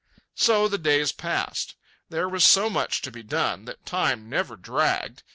So the days passed. There was so much to be done that time never dragged.